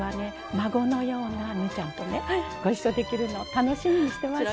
孫のような望結ちゃんとねご一緒できるの楽しみにしてました。